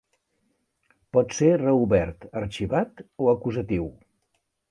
Pot ser reobert, arxivat o acusatiu.